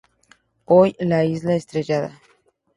Hoy, la Isla Estrellada.